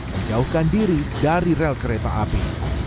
menjauhkan diri dari rel kereta api